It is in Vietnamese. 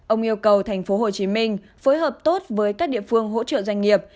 ông yêu cầu tp hcm phối hợp tốt với các địa phương hỗ trợ doanh nghiệp